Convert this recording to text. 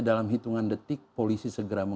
dalam hitungan detik polisi segera